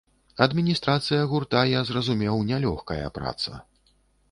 Адміністрацыя гурта, я зразумеў, нялёгкая праца.